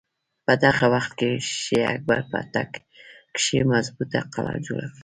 په دغه وخت کښې اکبر په اټک کښې مظبوطه قلا جوړه کړه۔